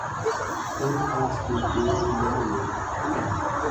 تن آۤس کہ کۤئی نہ منو